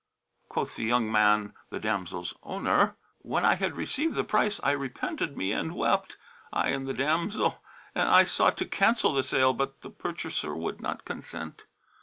(Quoth the young man, the damsel's owner), "When I had received the price, I repented me and wept, I and the damsel; and I sought to cancel the sale; but the purchaser would not consent.